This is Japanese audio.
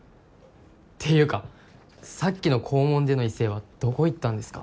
っていうかさっきの校門での威勢はどこいったんですか？